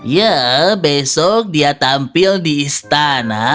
ya besok dia tampil di istana